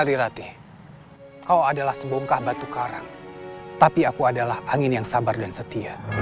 kau adalah sebongkah batu karang tapi aku adalah angin yang sabar dan setia